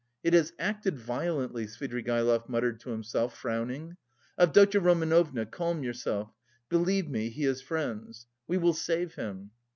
"It has acted violently," Svidrigaïlov muttered to himself, frowning. "Avdotya Romanovna, calm yourself! Believe me, he has friends. We will save him.